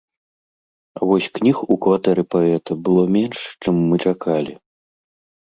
А вось кніг у кватэры паэта было менш, чым мы чакалі.